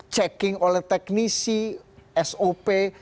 checking oleh teknisi sop